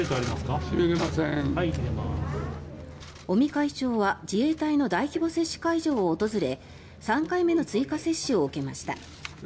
尾身会長は自衛隊の大規模接種センターを訪れ３回目の追加接種を受けました。